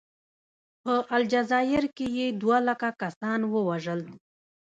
په الجزایر کې یې دوه لکه کسان ووژل.